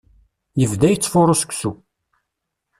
Yebda yettfuṛu seksu.